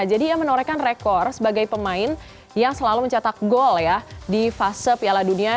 jadi ia menorehkan rekor sebagai pemain yang selalu mencetak gol ya di fase piala dunia